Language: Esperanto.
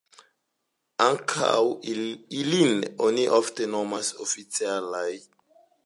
Ankaŭ ilin oni ofte nomas oficialaj.